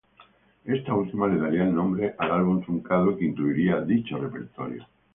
Esta última, le daría nombre al álbum truncado que incluiría dicho repertorio.